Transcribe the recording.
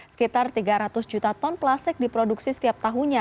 sekitar tiga ratus juta ton plastik diproduksi setiap tahunnya